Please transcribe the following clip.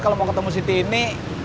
kalau mau ketemu si tini